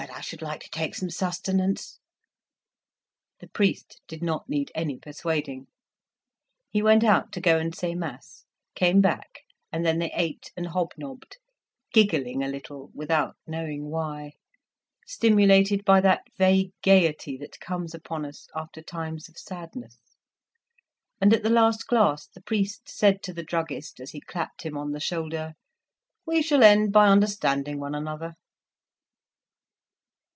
I should like to take some sustenance." The priest did not need any persuading; he went out to go and say mass, came back, and then they ate and hobnobbed, giggling a little without knowing why, stimulated by that vague gaiety that comes upon us after times of sadness, and at the last glass the priest said to the druggist, as he clapped him on the shoulder "We shall end by understanding one another."